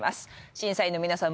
審査員の皆さん